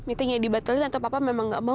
meetingnya dibatalin atau papa memang gak mau